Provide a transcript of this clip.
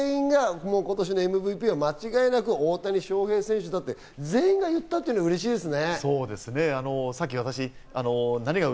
全員が今年のＭＶＰは間違いなく大谷翔平選手だと全員がいったっていうのは嬉しいですね。